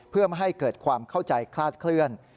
เพื่อไม่ให้เกิดความเข้าใจคลาดเคลื่อน